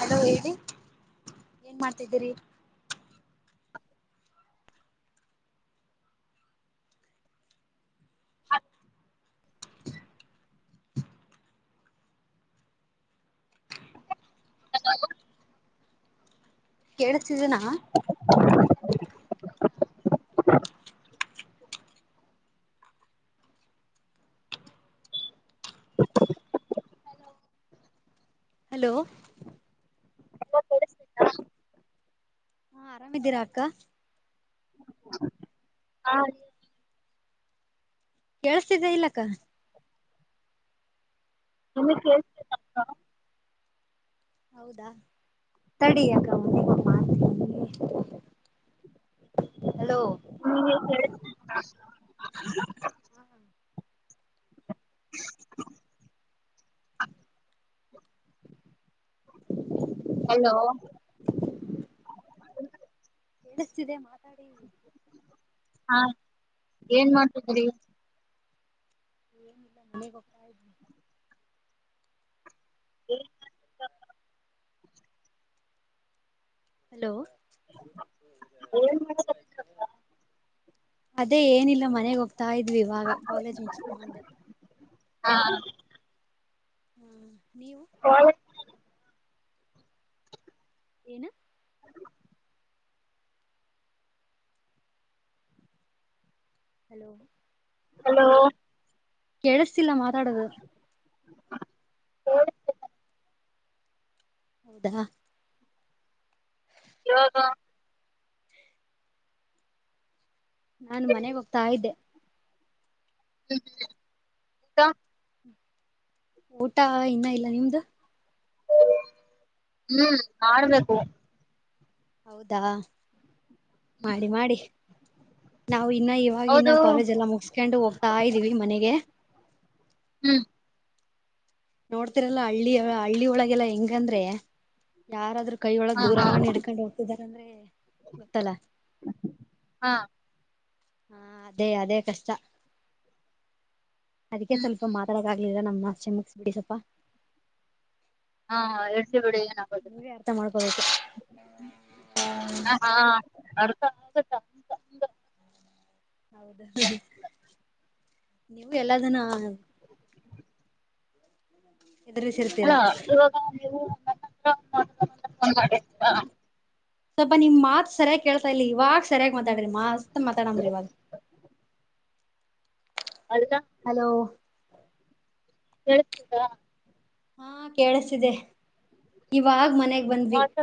Hello ಹೇಳಿ ಏನ್ ಮಾಡ್ತಿದ್ದೀರಿ. [inaudible] [inaudible] ಕೇಳಸ್ತಿದಿನಾ - ಹಲೋ- ಹಾ ಆರಾಮಿದ್ದೀರಾ ಅಕ್ಕ. ಹಾ. ಕೇಳಸ್ತಿದಿಯ ಇಲ್ಲಕ್ಕ. ಏನ್ ಕೇಳಸ್ತಿಲ್ಲ ಅಕ್ಕ. ಹೌದಾ ತಡಿ ಅಕ್ಕ ಮನೆಗೆ ಹೋಗಿ ಮಾಡ್ತೀನಿ. ಹಲೋ. ನಿಂಗೇನ ಕೇಳಸ್ತ. [unintelligible] ಹಾ. ಹಲೋ. [inaudible] ಕೇಳಿಸ್ತಿದೆ ಮಾತಾಡಿ. ಹಾ ಏನ್ ಮಾಡ್ತಿದ್ದೀರಿ. ಏನ ಇಲ್ಲ ಮನೆಗೆ ಹೋಗ್ತಾ ಇದ್ದೆ. [inaudible] ಹಲೋ. ಏನ್ ಮಾಡಕ - ಅದೇ ಏನಿಲ್ಲ- ಇಲ್ಲ ಮನೆಗ್ ಹೋಗ್ತಾ ಇದ್ವಿ ಇವಾಗ ಕಾಲೇಜ್ ಮುಗುಸ್ಕೊಂಡಬಂದ್. ಹಾ. ಹ್ಮ್ ನೀವು. ಕ [inaudible] ಏನು [inaudible] ಹಲೋ [inaudible] ಹಲೋ ಕೇಳಿಸ್ತಿಲ್ಲ ಮಾತಾಡದು ಹೇಳ [inaudible] ಹೌದಾ [inaudible] ಯಾಗ ನಾನು ಮನೆಗೆ ಹೋಗ್ತಾ ಇದ್ದೆ ಹ್ಞ ಹ್ಞ [inaudible] ಊಟಾ ಇನ್ನ ಇಲ್ಲ ನಿಮ್ದ ಹ್ಮ್ ಮಾಡಡ್ಬೇಕು [inaudible] ಹೌದಾ ಮಾಡಿ ಮಾಡಿ ನಾವು ಇನ್ನು ಇವ [inaudible] ಆನ್ನ ಕಾಲೇಜ್ ಎಲ್ಲ ಮುಗಿಸಸ್ಕೊಂಡು ಹೋಗ್ತಾ ಇದ್ದೀವಿ ಮನೆಗೆ ಹ್ಮ್ ನೋಡ್ತಿರಲ್ಲ ಹಳ್ಳಿ ಹಳ್ಳಿ ಒಳಗೆಲ್ಲಾ ಹೆಂಗಂದ್ರೆ ಯಾರಾದ್ರೂ ಕೈಯ ಒಳಗ್ ದೂರವಾಣಿ ಇಡ್ಕೊಂಡು ಹೋಗ್ತಿದಾರಂದ್ರೆ ಗೊತ್ತಲ್ಲ [inaudible] ಹಾ [inaudible] ಹಾ ಅದೇ ಅದೇ ಕಷ್ಟ ಅದಕ್ಕೆ ಸ್ವಲ್ಪ ಮಾತಾ [inaudible] ಇಗಗ್ಲಿಲ್ಲ ನ್ ನಸೆ ಮುಗಸ್ಬಿಡಿ ಸ್ವಪ ಹಾ ಎಡ್ಸಿ ಬಿಡಿಏನ [inaudible] ನೀವೇ ಅರ್ಥ ಮಾಡ್ಕೋಬೇಕು ಹ ಹಾ ಅರ್ಥ ಆಗುತ್ತಾ [inaudible] ಹೌದ ನೀವು ಎಲ್ಲದನ [inaudible] ಇದ್ರ ಸಲ್ಪ ಹಲ್ಲ ಇವಾಗ ನೀವುತಾತ್ರ [inaudible] ಸ್ವಲ್ಪ ನಿಮ್ ಮಾತ್ ಸಯಾಗಿ ಕೇಸತ ಇಲ್ಲಿ ಇವಾಗ ಸರಿಯಾಗಿ ಮಾತಾಡ್ರಿ ಮತ್ ಮಾತಾಡಮ್ರಿ ಇವಾಗ ಅದಕ್ಕಾ ಹಲೋ ಕೇಳ್ತದಾ ಹಾ ಕೇಳಸಿದೆ ಇವಾಗ ಮನೆಗ್ ಬಂದ್ವಿ [inaudible]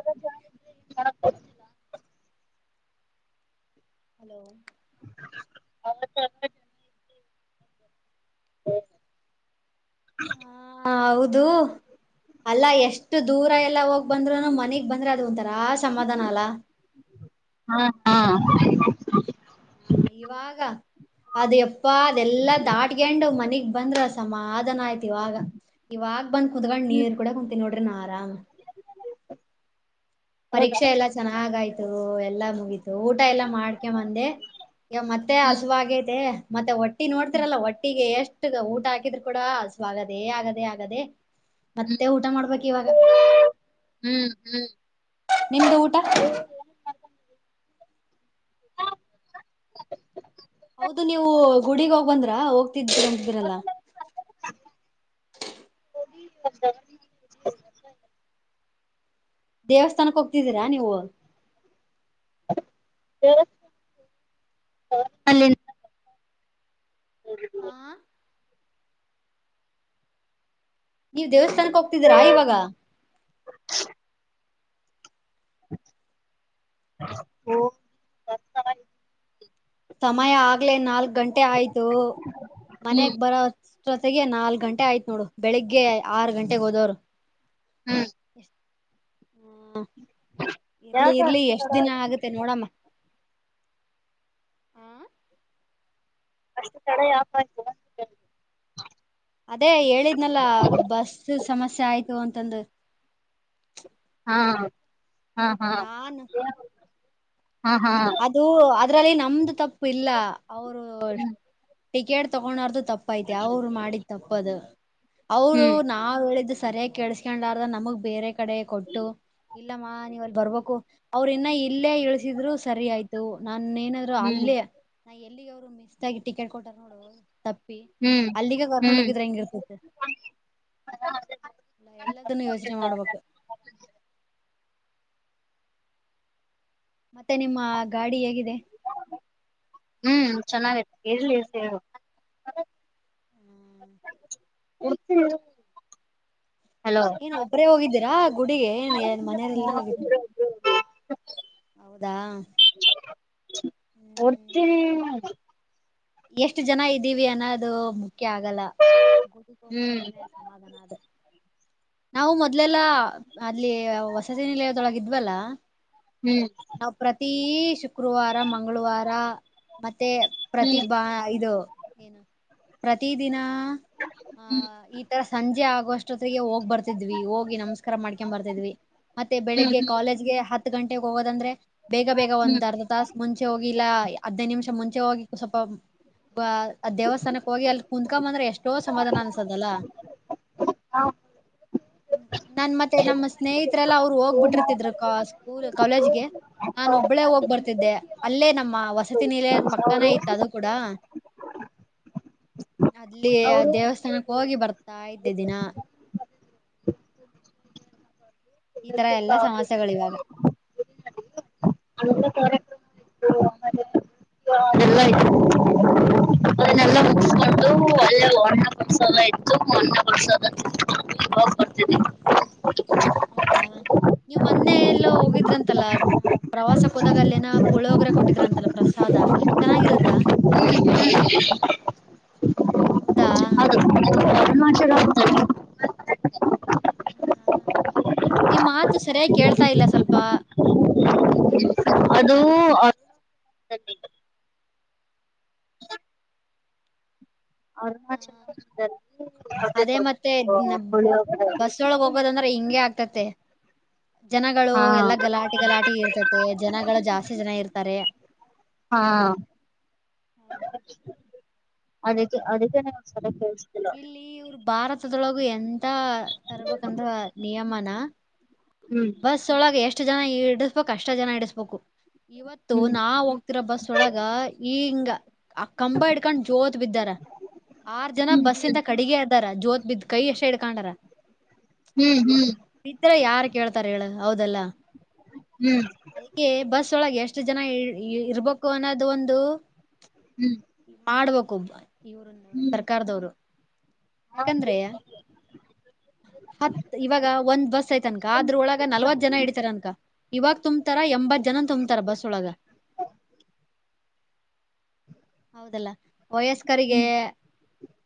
ಹಲೋ ಹ ಚ [inaudible] ಹ್ಮ [inaudible] ಹಾ ಹೌದು ಅಲ್ಲಾ ಎಷ್ಟು ದೂರ ಎಲ್ಲ ಹೋಗ್ ಬಂದ್ರುನು ಮನೆಗ್ ಬಂದ್ರೆ ಅದು ಒಂಂತಾರ ಆ ಸಮಾಧಾನ ಅಲ್ಲಾ ಹಾ ಹಾ [inaudible] ಹ ಇವಾಗ ಅದು ಎಪ್ಪಾ ಅದೆಲ್ಲಾ ದಾಟ್ಕಂಡು ಮನಗ್ ಬಂದ್ರ ಸಮಾಧಾನ ಆಯ್ತು [inaudible] ಇವಾಗ ಇವಾಗ ಬಂದ್ ಕುದೊಂಡ್ ನೀರ್ ಕೂಡ ಕುಂತೀಿ ನೋಡ್ರಿ ನಾ ಆರಾಮ್ ಪರೀಕ್ಷೆ ಎಲ್ಲಾ ಚೆನ್ನಾಗ ಆಯ್ತು ಎಲ್ಲಾ ಮುಗೀತು ಊಟ ಎಲ್ಲಾ ಮಾಡ್ಕ ಬಂದೆ ಮತ್ತೆ ಹಸುವ ಆಾಗೈತಿ ಮತ್ತೆ ಒಟ್ಟ [inaudible] ಒಟ್ಟಿ ನೋಡ್ತಿರಲ್ಲ ಒಟ್ಟಿಗೆ ಎಷ್ಟು ಊಟ ಹಾಕಿದ್ರು ಕೂಡ ಸ್ವಾಗದೇ ಆಗದೆೇ ಆಗದೆೇ ಮತ್ತೆ ಊಟ ಮಾಡ್ಬೇಕು ಇವಾಗ ಹ್ಮ್ ಹ್ಮ್ [inaudible] ನಿಮ್ದ ಊಟ ಹಾ [inaudible] ಹೌದು ನೀವು [inaudible] ಗುಡಗ್ ಹೋಗ್ ಬಂದ್ರ ಹೋಗ್ತಿದ್್ರ ರಲ್ಲ [inaudible] [inaudible] ದೇವಸ್ಥಾನಕ್ಕೆ ಹೋಗ್ತಿದ್ದೀರಾ ನೀವು ಹ [inaudible] ಹಾ [inaudible] ನೀವ ದೇವಸ್ಥಾನಕ್ಕೆ ಹೋಗ್ತೀರಾ ಇವಾಗ [inaudible] [inaudible] ಹಓ [inaudible] ಸಮಯ ಆಗ್ಲೆ ನಾಲ್ಕ್ ಗಂಟೆ ಆಯ್ತು ಹ್ಮ್ ಮನೆಗ್ ಬರೋ ಜೊತೆಗೆ ನಾಲ್ಕ್ ಗಂಟೆ ಆಯ್ತತ್ ನೋಡು ಬೆಳಿಗ್ಗೆ ಆರು ಗಂಟೆಗೆಗ್ ಹೋದವ್ರು ಹ್ಮ್ ಹ ಇರ್ಲಿ ಇರ್ಲಿ ಎಷ್ಟ ದಿನ ಆಗುತ್ತೆ [inaudible] ನೋಡಮ್ಮ ಅಷ್ಟು ಕಡೆ ಆತ [inaudible] ಅದೇ ಹೇಳಿದ್ನಲ್ಲ ಬಸ್ ಸಮಸ್ಯೆ ಆಯ್ತು ಅಂತಂದ ಹಾ ಹಾ ಹಾ ನಾನ್ ಹಾ ಹಾ [inaudible] ಅದು ಅದ್ರಲ್ಲಿ ನಮ್ದು ತಪ್ಪು ಇಲ್ಲ ಅವರು ಟಿಕೆಟ್ ತಗೊಂಡಾರ್ದು [inaudible] ತಪ್ಪತೆ ಅವ್ರು ಮಾಡಿದ ತಪ್ಪದು ಅವರು ಹ್ಮ್ ನ [inaudible] ಆ ವೇಳಿದ್ದು ಸರಿಯಾಗಿ ಕೆಳ್ಸ್ಕೊಂಡಾರ್ದ ನಮಗ್ ಬೇರೆ ಕಡೆ ಕೊಟ್ಟು ಇಲ್ಲಮ್ಮ ನೀವ ಅಲ್ಲಿ ಬರ್ಬೇಕು ಅವರು ಇನ್ನ ಇಲ್ಲೇ ಇಳಸಿದ್ರು ಸರಿ ಆಯ್ತು ನನ್ ನಾದ್ ಹ್ಮ್ ಅಲ್ಲೇ ನಾ ಎಲ್ಲಿಗೆ ಅವ್ರು ಮಿಸ್ ಆಗಿ ಟಿಕೆಟ್ ಕೊಟ್ಟಾರ ನೋಡುಪ್ಪ ಹ್ಮ್ [inaudible] ಅಲ್ಲಿಗೆ ಕರ್ಕೊಂಡ್ ಹ್ಮ್ ಹ್ಮ್ ಹೋಗಿದ್ರೆ ಹೆಂಗ ಇರ್ತೈತೆ ಲ್ಲ ಎಲ್ಲದನ್ನು ಯೋಚನೆ ಮಾಡ್ಬೇಕು ಮತ್ತೆ ನಿಮ್ಮ ಗಾಡಿ ಹೇಗಿದೆ [inaudible] ಹ್ಮ್ ಚೆನ್ನಾಗತ್ತ ಇರ್ಲಿ ಸೇ [inaudible] ಎತ್ತ [inaudible] ಏನ್ ಒಬ್ಬ್ರೇ ಹೋಗಿದ್ದೀರಾ ಗುಡಿಗೆ ಏನ್ನ್ ಮನೆಯರೆ ಎಲ್ರೂ ಹೋಗಿದ್ದೀರಾ ಹ್ಮ ಹೌದಾ ಒತ್ತ ಹ್ಮ್ [inaudible] [inaudible] ಎಷ್ಟು ಜನ ಇದ್ದೀವಿ ಅನ್ನೋದು ಮುಖ್ಯ ಆಗಲ್ಲ ಗು ಹ್ಮ್ ಬಂದ್ರನೆ ಸಮಮಾಧಾನ ಅದೆ [inaudible] ನಾವು ಮೊದ್ಲೆಲ್ಲಾ ಅಲ್ಲಿ ವಸತಿ ನಿಲಯದೊಳಗೆ ಇದ್ವಲ್ಲಾ ಹ್ಮ್ ನಾವ್ ಪ್ರತಿ ಶುಕ್ರವಾರ ಮಂಗಳವಾರ ಮತ್ತೆ ಪ್ರತಿ ಹ್ಮ್ ಬಾ ಇದು ಏನು ಪ್ರತಿ ದಿನ [inaudible] ಆಹ ಈ ತರ ಸಂಜೆ ಆಗುವಷ್ಟತ್ತಿಗೆ ಹೋಗ್ ಬರ್ತಿದ್ವಿ ಹೋಗಿ ನಮಸ್ಕಾರ ಮಾಡ್ಕೊ್ ಬರ್ತಿದ್ವಿ ಮತ್ತೆ ಹ್ಮ್ ಬೆಳಿಗ್ಗೆ ಕಾಲೇಜ್ಗೆ ಹತ್ತು ಹ ಗಂಟೆಗೆಗ್ ಹೋಗೋದಂದ್ರೆ ಬೇಗ ಬೇಗ ಹ್ಮ್ ಒಂದ್ ಅರ್ಧ ತಾಸ ಮುಂಚೆ ಹೋಗಿಲ್ಲಾ ಹದಿನೈ ನಿಮಿಷ ಮುಂಚೆ ಹೋಗಿ ಕುಸಪ್ಪ [inaudible] ಅ ದೇವಸ್ಥಾನಕ್ ಹೋಗಿ ಎಲ್ಲಿ ಕುತ್ಕೊಂಬಂದ್ರೆ ಎಷ್ಟೋ ಸಮಾಧಾನ ಅನ್ಸದಲ್ಲಾ ಹಾ [inaudible] ನನ್ ಮತ್ತೆ ನಮ್ಮ ಸ್ನೇಹಿತರೆ ಎಲ್ಲಾ ಅವ್ರು ಹೋಗ್ಬಿಟ್ಟಿರ್ತಿದ್ರು ಸ್ಕೂಲ್ ಕಾಲೇಜ್ಗೆ ನಾನು ಒಬ್ಬಳೇ ಹೋಗ್ ಬರ್ತಿದ್ದೆ ಅಲ್ಲೇ ನಮ್ಮ ವಸತಿನಿಲಯ ಪಕ್ಕ ಚನ ಇತ್ತ ಅದು ಕೂಡ ಅಲ್ಲಿ ದೇವಸ್ಥಾನಕ್ಕೆ ಹೋಗಿ ಬರ್ತಾ ಇದ್ದೆ ದಿನ ಈ ತರ ಎಲ್ಲಾ ಸಮಸ್ಯೆಗಳು ಇವಾಗ [unintelligible] [inaudible] ಅವೆಲ್ನ ಮುಗಿಸಿಕೊಂಡು ಅಲ್ಲೆ [unintelligible] ಪ್ರಸಾದ ಇತ್ತು ಮೊನ್ನೆ ಪ್ರಸಾದ ತಿನ್ಕೊಂಡು ಬರ್ತೀದಿವಿ [inaudible] ಹೌದಾ ನೀವು ಮೊನ್ನೆ ಎಲ್ಲೋ ಹೋಗಿದ್ರಂತಲ್ಲ ಪ್ರವಾಸಕ್ಕೆ ಹೋದಾಗ ಅಲ್ಲೇನ ಪುಳಿಯೋಗ್ರೆ ಕೊಟ್ಟಿದ್ರ ಅಂತಲ್ಲ ಪ್ರಸಾದ ಚೆನ್ನಾಗಿರತ್ತಾ [inaudible] ಹೌದಾ ಅದು ಅರುಣಾಚಲ ನಿಮ್ಮ್ ಮಾತು ಸರಿಯಾಗಿ ಕೇಳ್ತಾ ಇಲ್ಲ ಸ್ವಲ್ಪ ಅದೂ ಅರುಣಾಚಲದಲ್ಲಿ ಇದ್ದಂತೆ ಅತಿ ದೊಡ್ ಪುಳಿಯೋಗ್ರೆ [unintelligible] ಹೋಗದಂದ್ರೆ ಇಂಗೆ ಅಗತೈತೆ ಜನಗಳು ಹಾ ಎಲ್ಲಾ ಗಲಾಟಿ ಗಲಾಟಿ ಇರ್ತತೆ ಜನಗಳು ಜಾಸ್ತಿ ಜನ ಇರ್ತಾರೆ ಹಾ ಹೌದು ಅದಕ್ಕೆ ಅದಕ್ಕೆ ನನ್ ಒಂದ್ ಸರಿ ಕೇಳ್ಸಿದ್ದು ಇಲ್ಲಿ ಇವರು ಭಾರತದೊಳಗು ಎಂತ ತರ್ಬೇಕಂದ ನಿಯಮನಾ ಹ್ಮ್ ಬಸ್ ಒಳಗೆ ಎಷ್ಟು ಜನ ಇಡಸ್ಬೇಕು ಅಷ್ಟ ಜನ ಇಡಸ್ಬೇಕು ಇವತ್ತು ಹ್ಮ್ ನಾವು ಇರ ಬಸ್ ಒಳಗ ಈ ಹಿಂಗ ಆ ಕಂಬ ಹಿಡ್ಕೊಂಡ್ ಜೋತ್ ಬಿದ್ದಾರ ಆರ್ ಜನ ಹ್ಮ್ ಬಸ್ಸಿಂದ ಕಡಿಗೆ ಆದ ಜೋತ್ ಬಿದ್ದ್ ಕೈ ಅಷ್ಟೇ ಹಿಡ್ಕೊಂಡಾರ ಹ್ಮ್ ಹ್ಮ್ ಬಿದ್ರೆ ಯಾರ್ ಕೇಳ್ತಾರೆ ಹೇಳು ಹೌದಲ್ಲಾ ಹ್ಮ್ ಅದಿಕ್ಕೆ ಬಸ್ ಒಳಗೆ ಎಷ್ಟು ಜನ ಇರ್ಬೇಕು ಅನ್ನೋದು ಒಂದು ಹ್ಮ್ ಮಾಡ್ಬೇಕು ಹ್ಮ್ ಸರ್ಕಾರದವ್ರು ಹಾ ಯಾಕಂದ್ರೆ ಹತ್ ಇವಾಗ ಒಂದ್ ಬಸ್ ಅನ್ಕೋಲ್ಲಿ ಅದ್ರೊಳಗ ನಲ್ವತ್ ಜನ ಇಡಿತತಾರ ಅನ್ಕ ಇವಾಗ ತುಂಬ್ತಾರ ಎಂಬತ್ ಜನ ತುಂಬ್ತಾರ ಬಸ್ ಒಳಗ ಹೌದಲ್ಲ ವಯಸ್ಕರಿಗೆ ಹ್ಮ್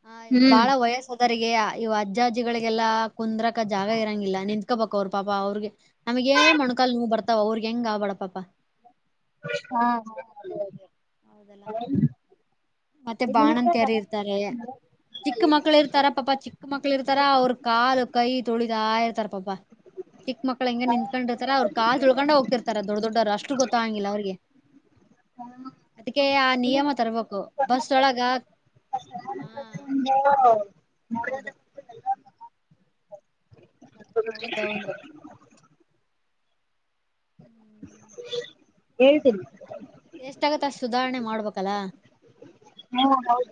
ಹಾ ಹ್ಮ್ ಬಾಳ ವಯಸ್ಸದರಿಗೆ ಇವು ಅಜ್ಜ ಅಜ್ಜಿಗಳಿಗೆಲ್ಲ ಕುಂದ್ರಕ ಜಾಗ ಇರಂಗಿಲ್ಲ ನಿಂತ್ಕೋಬೇಕು ಅವ್ರ ಪಾಪಾ ಅವ್ರಿಗೆ ನಮಗೆ ಮೊಣಕಾಲ್ ನೋವು ಬರ್ತಾವ ಅವ್ರಿಗೆ ಹೆಂಗ ಆಗ್ಬೇಡ ಪಾಪ ಹಾ ಹೌದಲ್ಲ ಮತ್ತೆ ಬಾಣಂತೀಯಾರ್ ಇರ್ತಾರೆ ಚಿಕ್ಕ ಮಕ್ಕಳು ಮಕ್ಕಳ ಇರ್ತಾರ ಪಾಪ ಚಿಕ್ಕ ಮಕ್ಳು ಇರ್ತಾರ ಅವ್ರರು ಕಾಲು ಕೈ ತುಳಿದಾ ಇರ್ತಾರ ಪಾಪ ಚಿಕ್ಳ ಮಕ್ಳು ಹೆಂಗೆ ನಿತ್ಕೊಂಡಿರ್ತಾರ ಅವ್ ಕಾಲ್ ತುಳ್ಳ್ಕೊಂಡ ಹೋಗತೀತಾರೆ ದೊಡ್ ದೊಡ್ಡವರು ಅಷ್ಟ್ ಗೊತ್ತ ಆಂಗಿಲ್ಲ ಅವ್ರಿಗೆ ಅದಕ್ಕೆ ಆ ನಿಯಮ ತರ್ಬೇಕು ಬಸ್ ಒಳಗ ಹಾ ಹೌದು ಹೌದ್ ದೌದು [inaudible] ಹೇಳ್ತೀನಿ ಎಷ್ಟಾಗತ್ತ ಅಷ್ಟ ಸುಧಾರಣೆ ಮಾಡ್ಬೇಕಲ್ಲಾ ಹುಂ ಹೌದು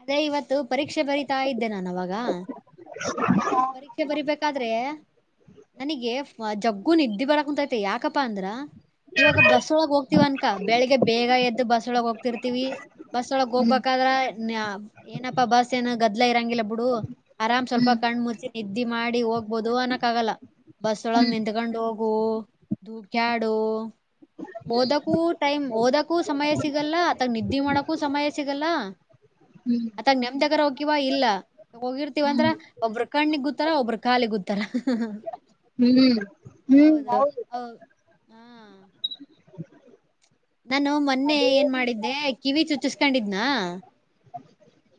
ಅದೇ ಇವತ್ತು ಪರೀಕ್ಷೆ ಬರಿತಾ ಇದ್ದೆ ನಾನು ಅವಾಗ [inaudible] ಪರೀಕ್ಷೆ ಬರಿಬೇಕಾದ್ರೆ ನನಗೆ ಜಗ್ಗು ನಿದ್ದೆ ಬರಕಂತೈತಿ ಮ ಯಾಕಪ್ಪಾ ಅಂದ್ರ ಇವಾಗ ಬಸ್ ಒಳಗ್ ಹೋಗ್ತಿವ ಅನ್ಕಾ ಬೆಳಿಗ್ಗೆ ಬೇಗ ಎದ್ದು ಬಸ್ ಒಳಗ್ ಹೋಗ್ತಿರ್ತಿವಿ ಬಸ್ ಒಳಗ್ ಹೋಗ್ ಹ್ಮ್ ಬೇಕಾದ್ರ ಏನಪ್ಪಾ ಬಸ್ ಏನು ಗದ್ಲಾ ಇರಂಗಿಲ್ಲಾ ಬಿಡು ಆರಾಮ್ ಸ್ವಲ್ಪ ಹ್ಮ್ ಕಣ್ ಮುಚ್ಚಿ ನಿದ್ದಿ ಮಾಡಿ ಹೋಗ್ಬೋದು ಅನ್ನಕ್ ಆಗಲ್ಲಾ ಬಸ್ ಒಳಗ್ ಹ್ಮ್ ನಿತ್ಕೊಂಡ್ ಹೋಗು ಧೂಕ್ಯಾಡು ಓದಕ್ಕೂ ಟೈಮ್ ಓದಕ್ಕೂ ಸಮಯ ಸಿಗಲ್ಲಾ ಅಥಾಗ ನಿದ್ದೆ ಮಾಡೊಕೂ ಸಮಯ ಸಿಗಲ್ಲಾ ಹ್ಮ್ ಅತಾಗ ನೆಮ್ದಗರ ಹೋಗಿವ ಇಲ್ಲಾ ಹೋಗಿರ್ತಿವ ಅಂದ್ರ ಹ್ಮ್ ಒಬ್ಬರು ಕಣ್ಣಿಗ್ ಗೂತ್ತಾರ ಒಬ್ರು ಕಾಲಿ ಗೂತ್ತಾರ್ ಹ್ಮ್ ಹ ಹೌದು ಹಾ ನಾನು ಮೊನ್ನೆ ಏನ್ ಮಾಡಿದ್ದೆ ಕಿವಿ ಚುಚ್ಚಸ್ ಕಿದ್ನಾ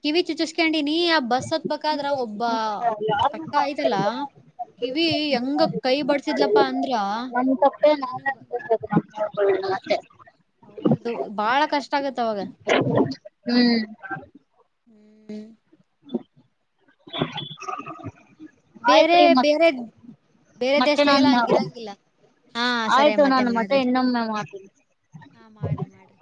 ಕಿವಿ ಚುಚುಸ್ಕೊಂಡಿನಿ ಆ ಬಸ್ ಹತ್ ಬೆಕಾರ ಒಬ್ಬ ಒಬ್ಬ ಒಬ್ಬಾ ಅಕ್ಕಾ ಆಯ್ತಲ್ಲಾ ಕಿವಿ ಹೆಂಗ ಕೈ ಬಡಸಿದ್ಲಪ್ಪಾ ಅಂದ್ರ ನಮ ತಪ್ಪೆ ನಾನೇ ನನ್ಗ್ ನ ನಡ್ಕಿಲ್ಲ ಮತ್ತೆ ಅದು ಬಹಳ ಕಷ್ಟಾ ಆಗತ್ತ ಅವಾಗ ಹುಂ ಹ್ಮ್ ಬೇರೆ ಆಯ್ತ್ರಿ ಮತ್ ಬೇರೆ ಬೇರೆ ಮತ್ತೆ ನಾನ್ ದೇಶದಾಗೆಲ್ಲಾ ಹಂಗಿರೋಂಗಿಲ್ಲಾ ಹಾ ಸರಿ ಆಯ್ತು ಮತ್ತೆ ನಾನು ಮಾಡ್ರಿ ಇನ್ನೊಮ್ಮೆ ಮಾಡ್ತೀನಿ ಹಾ ಮಾಡ್ರಿ ಮಾಡ್ರಿ